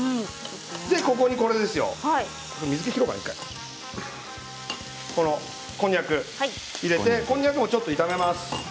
ここに、こんにゃくを入れて、こんにゃくもちょっと炒めます。